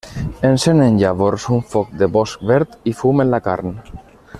Encenen llavors un foc de bosc verd i fumen la carn.